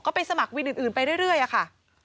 ก็ไปสมัครวินอื่นไปเรื่อยอะค่ะ